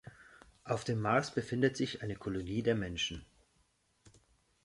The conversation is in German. Auf dem Mars befindet sich eine Kolonie der Menschen.